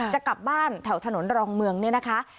จะกลับบ้านแถวถนนรองเมืองเนี่ยนะคะ